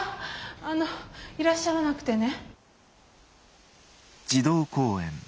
あのいらっしゃらなくてね。